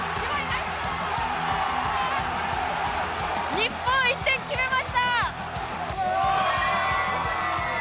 日本、１点決めました！